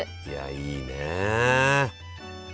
いやいいね。